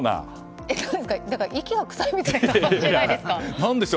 息がくさいみたいに感じないですか？